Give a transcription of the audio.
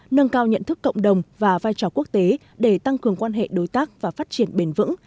nâng cao nhận thức cộng đồng và vai trò quốc tế để tăng cường quan hệ đối tác và phát triển bền vững